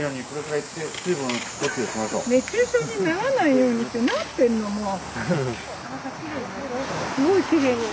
熱中症にならないようにってなってるのもう。